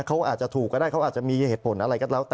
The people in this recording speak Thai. คุณอาจจะถูกหรืออาจจะมีเหตุผลอะไรก็แล้ว